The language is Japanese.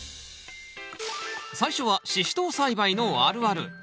最初はシシトウ栽培のあるある。